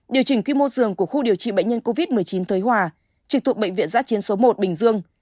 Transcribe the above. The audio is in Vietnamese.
điều chỉnh quy mô dường của khu điều trị bệnh nhân covid một mươi chín thới hòa trực thuộc bệnh viện giã chiến số một bình dương